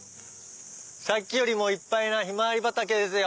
さっきよりもいっぱいなヒマワリ畑ですよ。